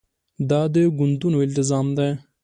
دا د ګوندونو التزام ده.